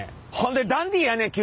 ほんでダンディーやね